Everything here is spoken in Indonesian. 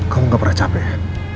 kamu gak pernah capek